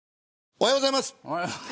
おはようございます。